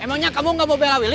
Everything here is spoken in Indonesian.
emangnya kamu gak mau bela pilih